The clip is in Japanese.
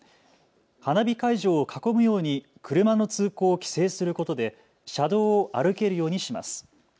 花火会場を囲むように車の通行を規制することで車道を歩けるようにします。